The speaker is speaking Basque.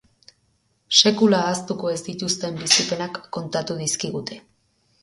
Sekula ahaztuko ez dituzten bizipenak kontatu dizkigute.